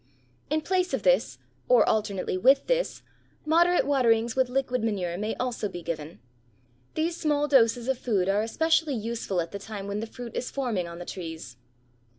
In place of this, or alternately with this, moderate waterings with liquid manure may also be given. These small doses of food are especially useful at the time when the fruit is forming on the trees.